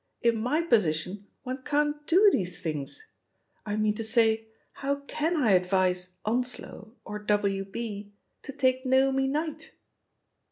''In my position, one can't do these things! I mean to say, how can I advise Onslow, or W, B., to take Naomi Knight?"